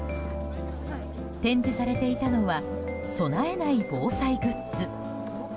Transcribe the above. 展示されていたのは備えない防災グッズ。